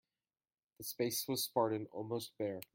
The space was spartan, almost bare.